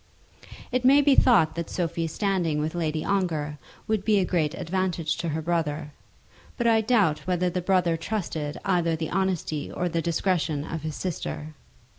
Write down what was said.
It may be thought that Sophie's standing with Lady Ongar would be a great advantage to her brother; but I doubt whether the brother trusted either the honesty or the discretion of his sister.